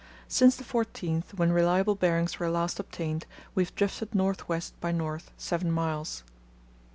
Since the 14th, when reliable bearings were last obtained, we have drifted north west by north seven miles.